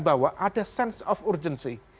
bahwa ada sense of urgency